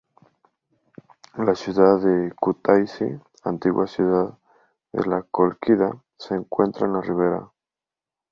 La ciudad de Kutaisi, antigua ciudad de la Cólquida, se encuentra en su ribera.